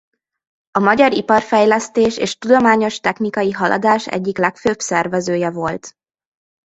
A magyar iparfejlesztés és tudományos-technikai haladás egyik legfőbb szervezője volt.